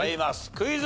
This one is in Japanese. クイズ。